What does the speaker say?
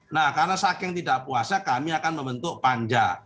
nah karena saking tidak puasnya kami akan membentuk panja